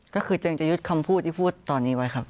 ก็คือเจนจะยึดคำพูดที่พูดตอนนี้ไว้ครับ